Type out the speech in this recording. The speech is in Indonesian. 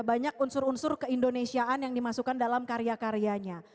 banyak unsur unsur keindonesiaan yang dimasukkan dalam karya karyanya